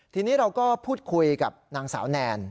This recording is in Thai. ทีนี้เราก็พูดคุยกับนางสาวแนน